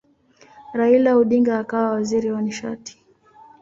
Raila Odinga akawa waziri wa nishati.